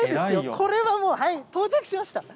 これはもう、はい、到着しました。